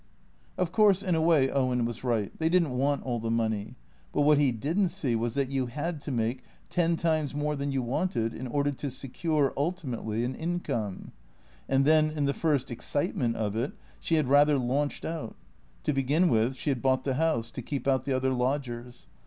Of course, in a way Owen was right. They did n't want all the money. But what he did n't see was that you had to make ten times more than you wanted, in order to secure, ultimately, an income. And then, in the first excitement of it, she had rather launched out. To begin with, she had bought the house, to keep out the other lodgers.